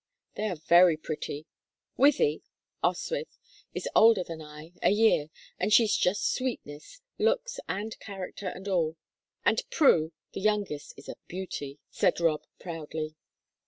"They are very pretty. Wythie Oswyth is older than I, a year, and she's just sweetness looks, and character, and all. And Prue, the youngest, is a beauty," said Rob, proudly.